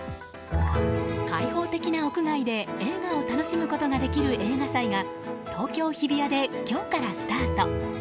開放的な屋外で映画を楽しむことができる映画祭が東京・日比谷で今日からスタート。